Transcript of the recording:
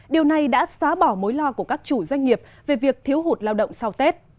điều này đã xóa bỏ mối lo của các chủ doanh nghiệp về việc thiếu hụt lao động sau tết